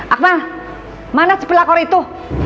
akmal mana si pelakor itu